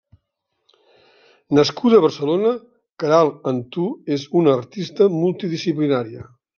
Nascuda a Barcelona, Queralt Antú és una artista multidisciplinària.